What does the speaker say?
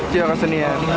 di dalam seni ya